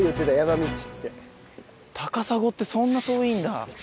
タカサゴってそんな遠いんだ。